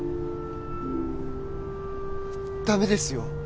ダメですよ